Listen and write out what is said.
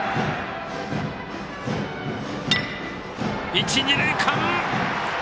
一、二塁間！